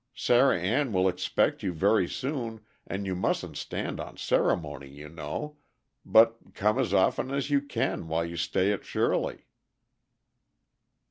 Sarah Ann will expect you very soon, and you mustn't stand on ceremony, you know, but come as often as you can while you stay at Shirley."